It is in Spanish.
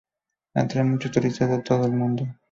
Atrae a muchos turistas de todo el mundo.